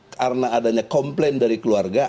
karena adanya komplain dari keluarga